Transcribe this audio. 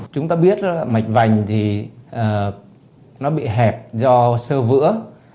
chúng ta biết mạch vành thì nó bị hẹp do sơ vữa